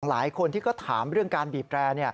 หลายคนที่ก็ถามเรื่องการบีบแรร์